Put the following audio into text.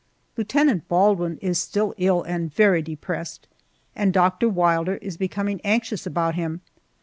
Lieutenant Baldwin is still ill and very depressed, and Doctor Wilder is becoming anxious about him.